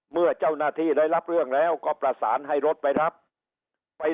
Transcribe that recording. เมื่อเจ้าหน้าที่ได้รับเรื่องแล้วก็ประสานให้รถไปรับไป